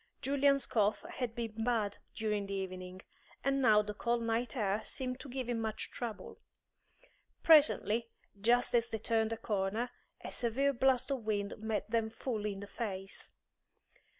Julian's cough had been bad during the evening, and now the cold night air seemed to give him much trouble. Presently, just as they turned a corner, a severe blast of wind met them full in the face.